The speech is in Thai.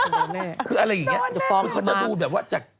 มึงจะดูแบบว่า